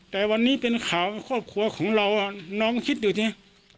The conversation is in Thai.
แต่วันนี้เป็นข่าวครอบครัวของเราน้องคิดดูสิ